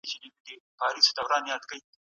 ټول انبیا، اولیا، عرفا، ساینسپوهان او هغه کسان